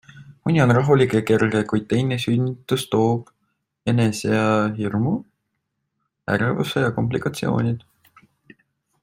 Mõni on rahulik ja kerge, kuid teine sünnitus toob enesea hirmu, ärevuse ja komplikatsioonid.